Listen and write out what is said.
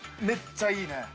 めっちゃいいね！